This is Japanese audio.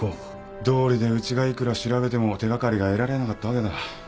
どうりでうちがいくら調べても手掛かりが得られなかったわけだ。